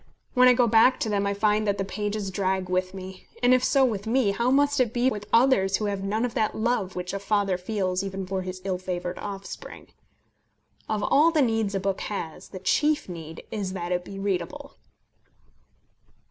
When I go back to them I find that the pages drag with me; and if so with me, how must it be with others who have none of that love which a father feels even for his ill favoured offspring. Of all the needs a book has the chief need is that it be readable.